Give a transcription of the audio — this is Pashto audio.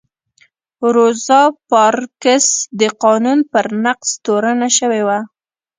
روزا پارکس د قانون پر نقض تورنه شوې وه.